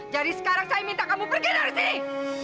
jadi sekarang saya minta kamu pergi dari sini